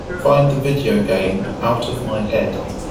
Find the video game Out of My Head